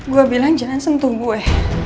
gue bilang jangan sentuh gue